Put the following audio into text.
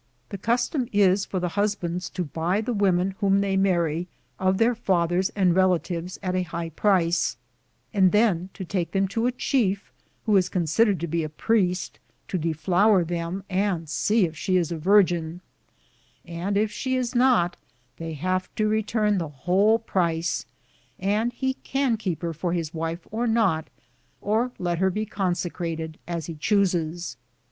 The custom is for the hus bands to buy the women whom they marry, of their fathers and relatives at a high price, and then to take them to a chief, who is considered to be a priest, to deflower them and see if she is a virgin ; and if she is not, they have to return the whole price, and he can keep her for his wife or not, or let her be consecrated, as he chooses.